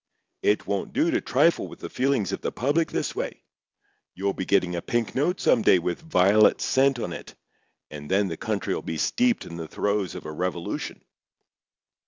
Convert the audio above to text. It won't do to trifle with the feelings of the public this way. You'll be getting a pink note some day with violet scent on it; and then the country'll be steeped in the throes of a revolution."